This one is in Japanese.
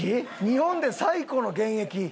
「日本で最古の現役」